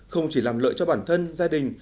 không chỉ làm lợi cho bản thân gia đình